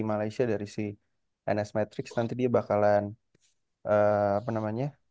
malaysia dari si nsmetrix nanti dia bakalan apa namanya